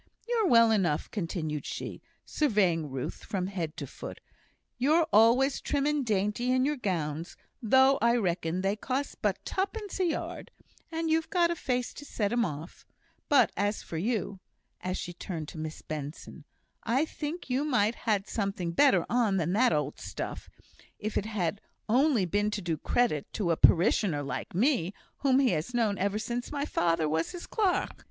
You're well enough," continued she, surveying Ruth from head to foot; "you're always trim and dainty in your gowns, though I reckon they cost but tuppence a yard, and you've a face to set 'em off; but as for you" (as she turned to Miss Benson), "I think you might ha' had something better on than that old stuff, if it had only been to do credit to a parishioner like me, whom he has known ever sin' my father was his clerk."